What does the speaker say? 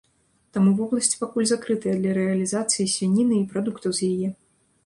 Таму вобласць пакуль закрытая для рэалізацыі свініны і прадуктаў з яе.